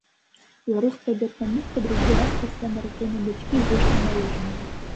Беларуская біятланістка другі раз пасля нараджэння дачкі выйшла на лыжную.